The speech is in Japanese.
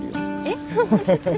えっ？